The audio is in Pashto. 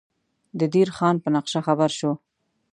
د دیر خان په نقشه خبر شو.